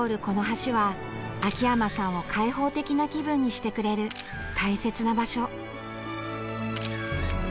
この橋は秋山さんを開放的な気分にしてくれる大切な場所。